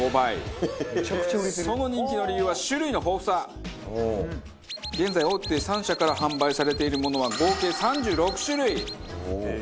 その人気の理由は現在大手３社から販売されているものは合計３６種類。